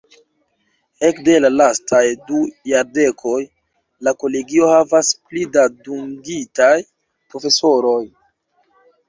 Ekde la lastaj du jardekoj, la kolegio havas pli da dungitaj profesoroj.